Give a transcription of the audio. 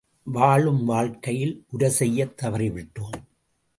வாழும் வாழ்க்கையில் உரைசெய்யத் தவறிவிட்டோம்!